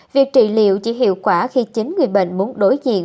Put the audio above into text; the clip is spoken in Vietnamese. việc trị liệu chỉ hiệu quả khi chính người bệnh muốn đối diện